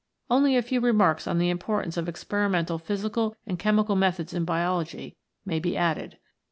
Only a few remarks on the importance of experimental physical and chemical methods in Biology may be added.